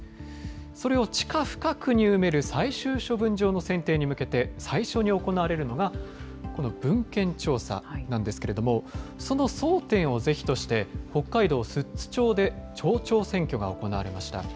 それを地下深くに埋める最終処分場の選定に向けて、最初に行われるのが、この文献調査なんですけれども、その争点を是非として、北海道寿都町で町長選挙が行われました。